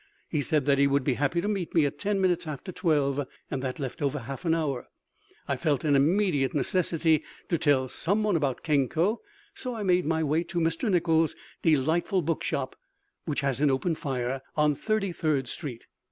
He said that he would be happy to meet me at ten minutes after twelve. That left over half an hour. I felt an immediate necessity to tell some one about Kenko, so I made my way to Mr. Nichols's delightful bookshop (which has an open fire) on Thirty third Street.